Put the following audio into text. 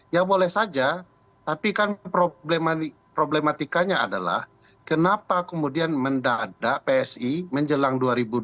ya boleh saja tapi kan problematikanya adalah kenapa kemudian mendadak psi menjelang dua ribu dua puluh